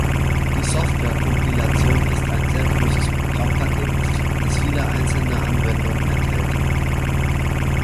Die "Software Compilation" ist ein sehr großes Programmpaket, das viele einzelne Anwendungen enthält.